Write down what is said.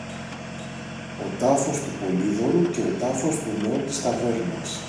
ο τάφος του Πολύδωρου και ο τάφος του νέου της ταβέρνας.